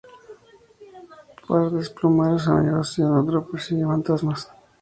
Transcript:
para desplumar a sus amigos y, al otro, persigue fantasmas